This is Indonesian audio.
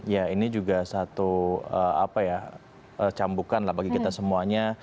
ya ini juga satu cambukan lah bagi kita semuanya